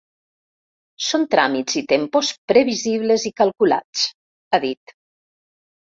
Són tràmits i tempos previsibles i calculats, ha dit.